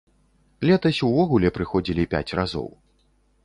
Летась увогуле прыходзілі пяць разоў.